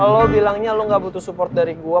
lo bilangnya lo gak butuh support dari gue